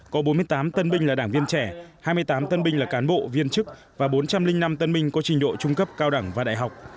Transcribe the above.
có bốn mươi tám tân binh là đảng viên trẻ hai mươi tám tân binh là cán bộ viên chức và bốn trăm linh năm tân binh có trình độ trung cấp cao đẳng và đại học